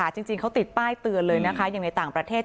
จริงเขาติดป้ายเตือนเลยนะคะอย่างในต่างประเทศ